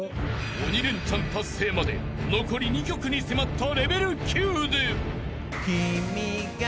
［鬼レンチャン達成まで残り２曲に迫ったレベル９で］